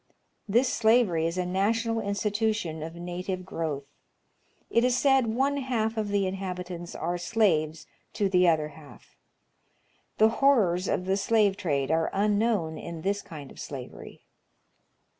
This slavery is a national institution of native growth. It is said one half of the inhabitants are slaves to the other half. The horrors of the slave trade are unknown in this kind of slavery.